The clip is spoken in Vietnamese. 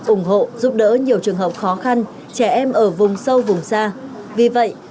ủng hộ giúp đỡ nhiều trường hợp khó khăn trẻ em ở vùng sâu vùng xa vì vậy